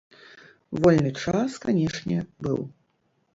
Вольны час, канечне, быў.